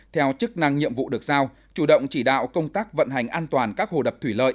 theo chức năng nhiệm vụ được giao chủ động chỉ đạo công tác vận hành an toàn các hồ đập thủy lợi